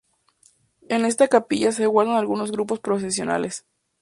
En esta capilla se guardan algunos grupos procesionales.